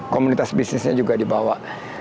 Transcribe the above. komunitas bisnisnya juga dibawa